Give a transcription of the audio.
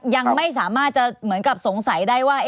ยังไม่สามารถจะเหมือนกับสงสัยได้ว่า